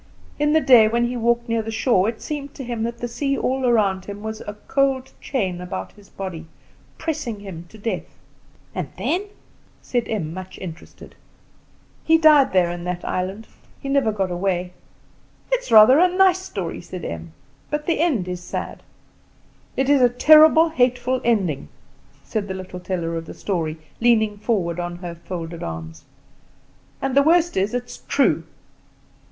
In the day when he walked near the shore it seemed to him that the sea all around him was a cold chain about his body pressing him to death." "And then?" said Em, much interested. "He died there in that island; he never got away." "It is rather a nice story," said Em; "but the end is sad." "It is a terrible, hateful ending," said the little teller of the story, leaning forward on her folded arms; "and the worst is, it is true.